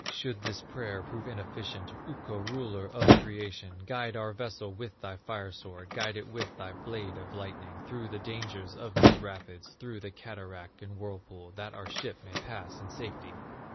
"Should this prayer prove inefficient, Ukko, Ruler of creation, Guide our vessel with thy fire sword, Guide it with thy blade of lightning, Through the dangers of these rapids, Through the cataract and whirlpool, That our ship may pass in safety!"